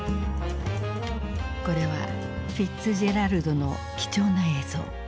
これはフィッツジェラルドの貴重な映像。